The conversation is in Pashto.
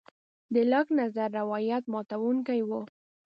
د لاک نظر روایت ماتوونکی و.